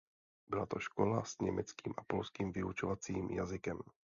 Byla to škola s německým a polským vyučovacím jazykem.